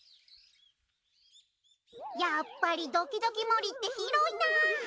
やっぱりドキドキ森って広いな。